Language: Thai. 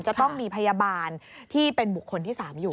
จะต้องมีพยาบาลที่เป็นบุคคลที่๓อยู่